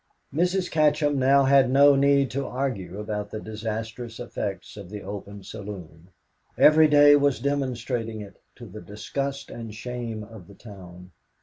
Mrs. Katcham now had no need to argue about the disastrous effects of the open saloon. Every day was demonstrating it, to the disgust and shame of the town.